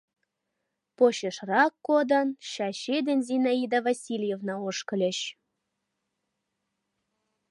Почешрак кодын, Чачи ден Зинаида Васильевна ошкыльыч.